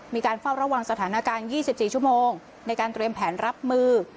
มีการเฝ้าระวังสถานการณ์๒๔ชั่วโมงในการเตรียมแผนรับมือ